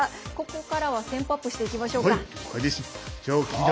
ここからはテンポアップしていきましょうか。